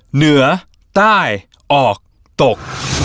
เหนือใต้ออกตก